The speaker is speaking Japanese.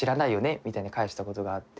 みたいに返したことがあって。